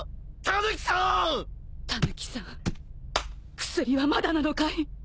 タヌキさん薬はまだなのかい！？